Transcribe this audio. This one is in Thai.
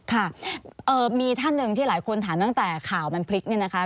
ค่ะมีท่านหนึ่งที่หลายคนถามตั้งแต่ข่าวมันพลิกเนี่ยนะคะ